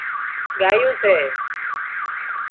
ڳايون سي